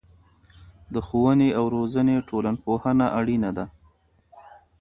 د ښوونې او روزنې ټولنپوهنه اړينه ده.